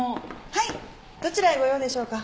はいどちらへご用でしょうか？